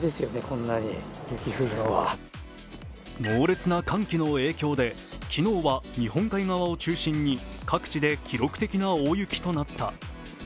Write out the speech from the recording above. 猛烈な寒気の影響で昨日は日本海側を中心に各地で記録的な大雪となった。